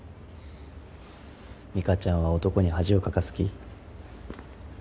美香ちゃんは男に恥をかかす気？